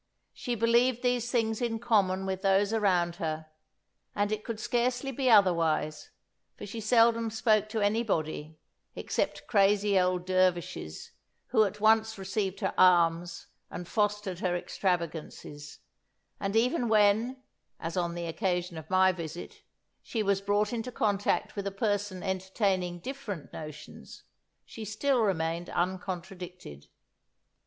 She believed these things in common with those around her; and it could scarcely be otherwise, for she seldom spoke to anybody, except crazy old dervishes, who at once received her alms and fostered her extravagances; and even when (as on the occasion of my visit) she was brought into contact with a person entertaining different notions, she still remained uncontradicted.